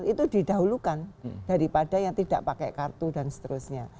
itu didahulukan daripada yang tidak pakai kartu dan seterusnya